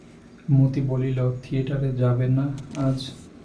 মতি বলিল, থিয়েটারে যাবে না আজ?